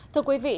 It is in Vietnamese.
thưa quý vị